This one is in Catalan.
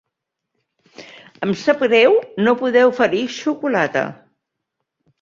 Em sap greu no poder oferir xocolata.